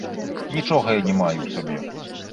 Нічога я не маю ў сабе.